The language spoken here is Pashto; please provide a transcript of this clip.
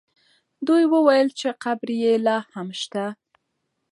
دوی وویل چې قبر یې لا هم شته.